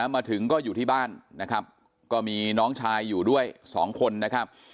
มาถึงก็อยู่ที่บ้านนะครับก็มีน้องชายอยู่ด้วยสองคนนะครับ